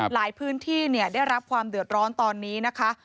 หลายพื้นที่ได้รับความเดือดร้อนตอนนี้นะคะ